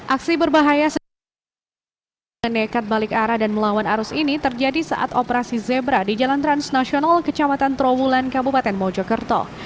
aksi berbahaya yang nekat balik arah dan melawan arus ini terjadi saat operasi zebra di jalan transnasional kecamatan trawulan kabupaten mojokerto